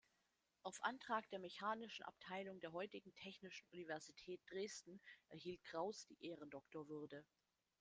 Auf Antrag der Mechanischen Abteilung der heutigen Technischen Universität Dresden erhielt Krauß die Ehrendoktorwürde.